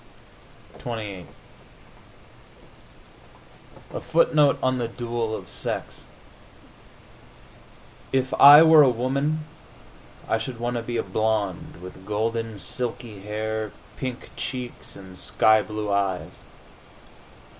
XXVIII A FOOTNOTE ON THE DUEL OF SEX If I were a woman I should want to be a blonde, with golden, silky hair, pink cheeks and sky blue eyes.